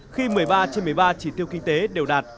khi một mươi ba trên một mươi ba chỉ tiêu kinh tế đều đạt